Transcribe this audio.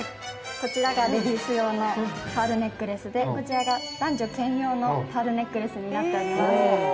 こちらがレディース用のパールネックレスでこちらが男女兼用のパールネックレスになっております。